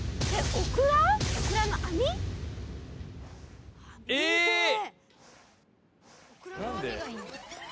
オクラの網がいいんだ。